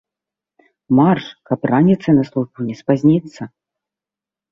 Марш, каб раніцай на службу не спазніцца!